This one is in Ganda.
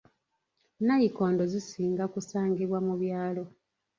Nayikondo zisinga kusangibwa mu byalo.